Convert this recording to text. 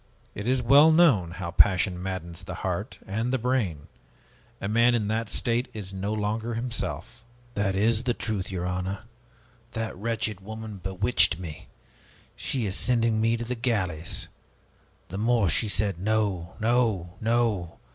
It is well known how passion maddens the heart and the brain. A man in that state is no longer himself." "That is the truth, your honor! That wretched woman bewitched me! She is sending me to the galleys! The more she said 'No, no, no!'